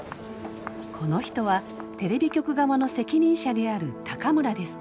この人はテレビ局側の責任者である高村デスク。